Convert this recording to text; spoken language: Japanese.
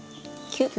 キュッ。